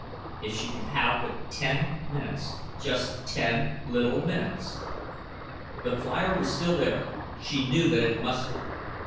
If she could have but ten minutes just ten little minutes! The flier was still there she knew that it must be.